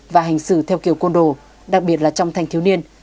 và hành xử theo kiểu côn đồ đặc biệt là trong thanh thiếu niên